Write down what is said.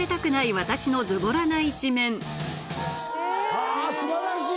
はぁ素晴らしい。